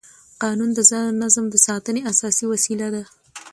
قانون د نظم د ساتنې اساسي وسیله ده.